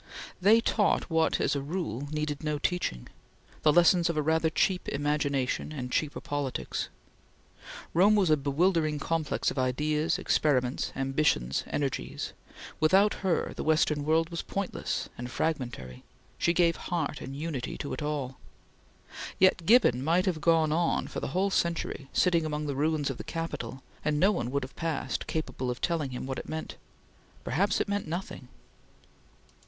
They taught what, as a rule, needed no teaching, the lessons of a rather cheap imagination and cheaper politics. Rome was a bewildering complex of ideas, experiments, ambitions, energies; without her, the Western world was pointless and fragmentary; she gave heart and unity to it all; yet Gibbon might have gone on for the whole century, sitting among the ruins of the Capitol, and no one would have passed, capable of telling him what it meant. Perhaps it meant nothing.